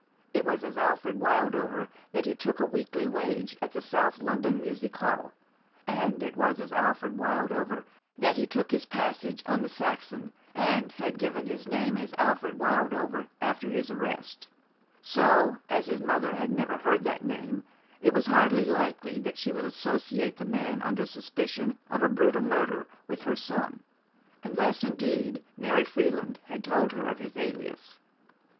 It was as Alfred Wildover that he took a weekly wage at the South London Music Hall, and it was as Alfred Wildover that he took his passage on the Saxon, and he had given his name as Alfred Wildover after his arrest ; so, as his mother had never heard that name, it was hardly likely that she would associate the man under suspicion of a brutal murder with her son, 138 At Bow Street. unless, indeed, Mary Freeland had told her of his alias.